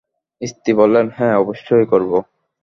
স্ত্রী বললেন, হ্যাঁ, অবশ্যই করব।